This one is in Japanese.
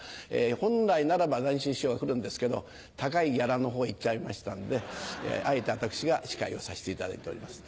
本来ならば談春師匠が来るんですけど高いギャラの方へ行っちゃいましたんであえて私が司会をさせていただいております。